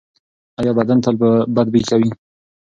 ایا بدن تل بد بوی کوي؟